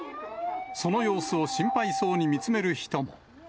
その様子を心配そうに見つめる人も。